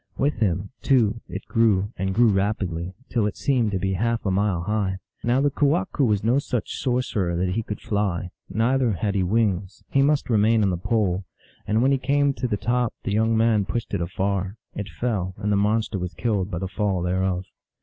With him, too, it grew, and grew rapidly, till it seemed to be half a mile high. Now the ke wahqu was no such sorcerer that he could fly ; neither had he wings ; he must remain on the pole ; and when he came to the top the young man pushed it afar. It fell, and the monster was killed by the fall thereof.